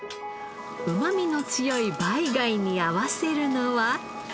うまみの強いバイ貝に合わせるのは。